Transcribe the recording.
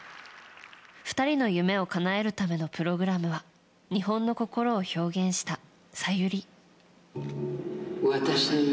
２人の夢をかなえるためのプログラムは日本の心を表現した「ＳＡＹＵＲＩ」。